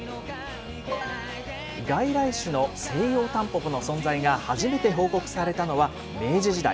外来種のセイヨウタンポポの存在が初めて報告されたのは明治時代。